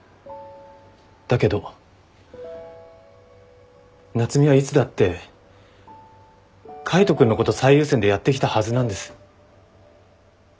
だけど夏海はいつだって海斗君のこと最優先でやってきたはずなんです。